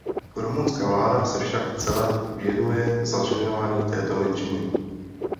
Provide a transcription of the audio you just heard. Rumunská vláda se však cele věnuje začleňování této menšiny.